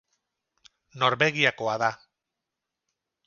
Norvegiakoa da.